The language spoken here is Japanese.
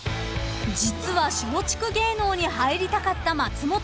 ［実は松竹芸能に入りたかった松本さん］